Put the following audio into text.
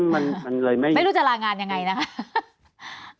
ไม่รู้จะลางานอย่างไรนะครับ